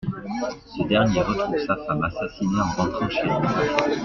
Ce dernier retrouve sa femme assassinée en rentrant chez lui.